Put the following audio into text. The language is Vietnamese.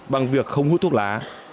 bằng việc không hút thuốc lá